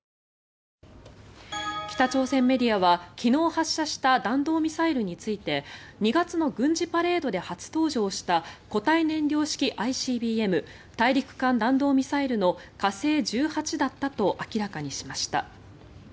北朝鮮メディアは昨日発射した弾道ミサイルについて２月の軍事パレードで初登場した固体燃料式ＩＣＢＭ・大陸間弾道ミサイルの火星１８だったと明らかにしました。